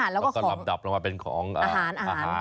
แล้วก็ลำดับลงมาเป็นของอาหาร